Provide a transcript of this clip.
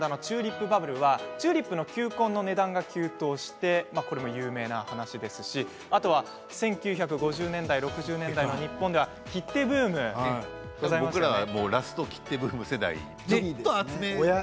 例えば、１７世紀のオランダでチューリップ・バブルはチューリップの球根の値段が急騰してこれも有名な話ですし１９５０年代６０年代には日本では切手ブームがございましたね。